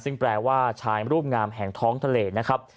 ซึ่งแปลว่าชายรูปงามแห่งท้องทะเลนะครับ